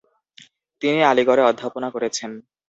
তিনি আলিগড়ে অধ্যাপনা করেছেন।